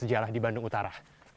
bersejarah di bandung utara